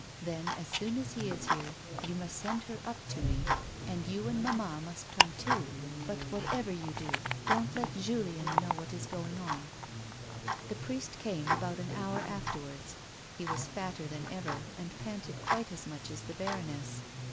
Then, as soon as he is here, you must send her up to me, and you and mamma must come too ; but, whatever you do, don't let Julien know what is going on." The priest came about an hour afterwards. He was fatter than ever, and panted quite as much as the baroness.